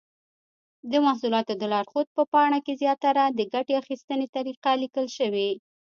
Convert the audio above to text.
د محصولاتو د لارښود په پاڼه کې زیاتره د ګټې اخیستنې طریقه لیکل شوې.